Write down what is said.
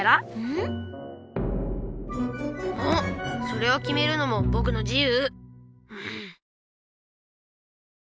それをきめるのもぼくの自由！